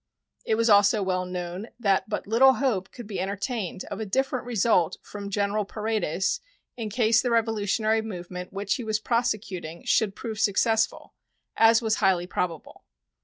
It was also well known that but little hope could be entertained of a different result from General Paredes in case the revolutionary movement which he was prosecuting should prove successful, as was highly probable.